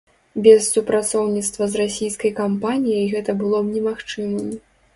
Без супрацоўніцтва з расійскай кампаніяй гэта было б немагчымым.